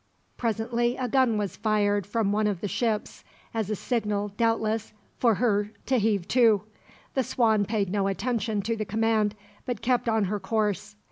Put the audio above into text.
Presently a gun was fired from one of the ships as a signal, doubtless, for her to heave to. The Swan paid no attention to the command, but kept on her course.